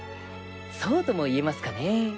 そうとも言えますかねぇ。